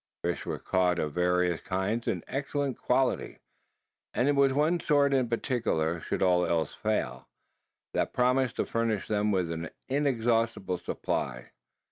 Fish were caught of various kinds, and excellent quality; and there was one sort in particular, should all else fail, that promised to furnish them with an inexhaustible supply.